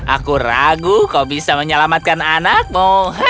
aku ragu kau bisa menyelamatkan anakmu